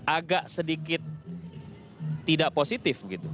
agak sedikit tidak positif gitu